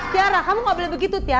tiara kamu gak boleh begitu tiara